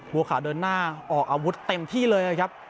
บัวขาวเดินหน้าออกอาวุธเต็มที่เลยนะครับ